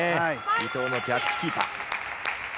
伊藤の逆チキータ。